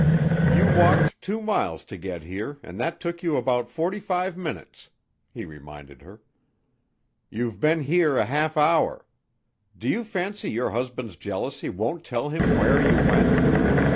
"You walked two miles to get here and that took you about forty five minutes," he reminded her. "You've been here a half hour. Do you fancy your husband's jealousy won't tell him where you went?"